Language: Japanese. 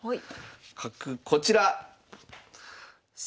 角こちら。